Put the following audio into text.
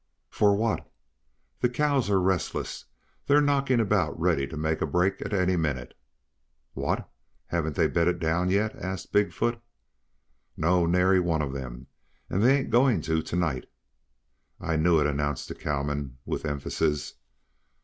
"For what?" "The cows are restless. They're knocking about ready to make a break at any minute." "What? Haven't they bedded down yet?" asked Big foot. "No, nary one of them. And they ain't going to to night." "I knew it," announced the cowman, with emphasis.